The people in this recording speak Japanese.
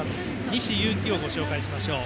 西勇輝をご紹介しましょう。